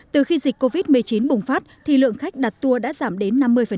từ khi dịch covid một mươi chín bùng phát thì lượng khách đặt tour đã giảm đến năm mươi